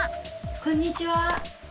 こんにちは。